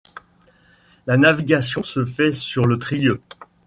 La navigation se fait sur le Trieux.